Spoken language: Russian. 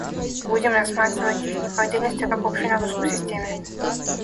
Будем рассматривать их не по отдельности, а как общую нагрузку в системе